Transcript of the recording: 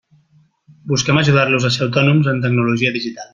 Busquem ajudar-los a ser autònoms en tecnologia digital.